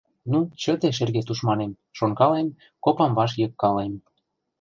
«Ну, чыте, шерге тушманем, — шонкалем, копам ваш йыгкалем.